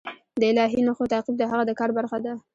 د الهي نښو تعقیب د هغه د کار برخه ده.